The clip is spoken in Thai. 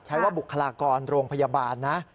ว่าบุคลากรโรงพยาบาลนะ